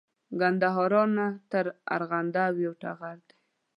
ګندارا نه تر ارغند یو ټغر دی